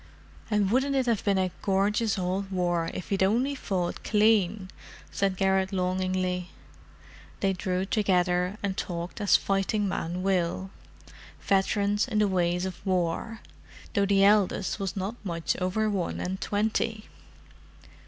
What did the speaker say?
"And wouldn't it have been a gorgeous old war if he'd only fought clean!" said Garrett longingly. They drew together and talked as fighting men will—veterans in the ways of war, though the eldest was not much over one and twenty.